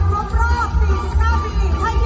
มันเป็นเมื่อไหร่แล้ว